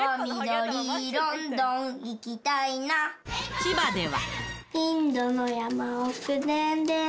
千葉では。